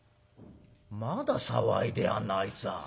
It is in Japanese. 「まだ騒いでやがんなあいつは。